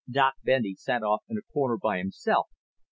Doc Bendy sat off in a corner by himself.